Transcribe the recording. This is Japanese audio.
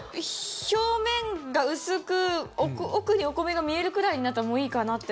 表面が薄く奥にお米が見えるくらいになったらもういいかなって。